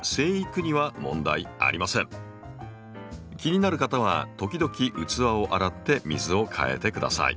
気になる方は時々器を洗って水を替えて下さい。